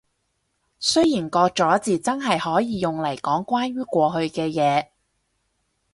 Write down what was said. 雖然個咗字真係可以用嚟講關於過去嘅嘢